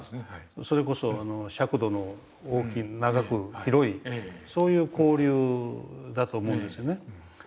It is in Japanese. それこそ尺度の大きい長く広いそういう交流だと思うんですよね。